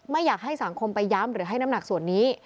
ไม่อยากให้สังคมไปย้ำหรือให้น้ำหนักส่วนนี้